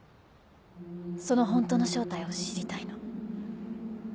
その本当の正体を知りたいの。